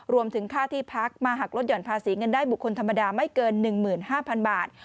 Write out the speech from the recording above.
รวมถึงค่าที่พักมาหักลดห่อนภาษีเงินได้บุคคลธรรมดาไม่เกิน๑๕๐๐๐บาท